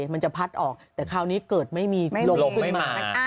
มันจะพัดออกแต่คราวนี้เกิดไม่มีลมขึ้นมา